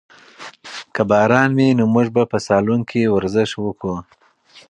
که باران وي نو موږ به په سالون کې ورزش وکړو.